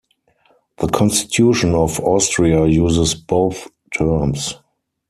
The Constitution of Austria uses both terms.